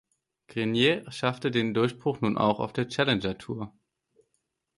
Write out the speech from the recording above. Grenier schaffte den Durchbruch nun auch auf der Challenger Tour.